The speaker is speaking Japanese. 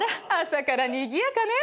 朝からにぎやかね。